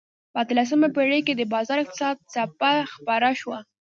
په اتلسمه پېړۍ کې د بازار اقتصاد څپه خپره شوه.